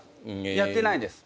やってないです。